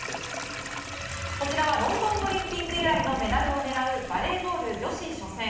こちらはロンドンオリンピック以来のメダルを狙うバレーボール女子初戦。